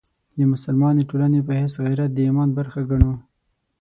د مسلمانې ټولنې په حیث غیرت د ایمان برخه ګڼو.